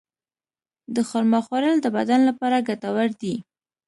د خرما خوړل د بدن لپاره ګټور دي.